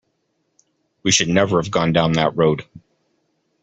We should never have gone down that road.